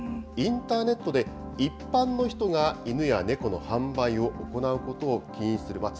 インターネットで一般の人が犬や猫の販売を行うことを禁止する。